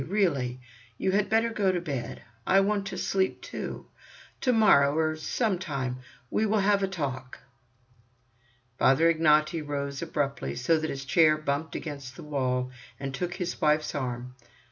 Really, you had better go to bed. I want to sleep, too. To morrow, or sometime, we will have a talk." Father Ignaty rose abruptly, so that his chair bumped against the wall, and took his wife's arm.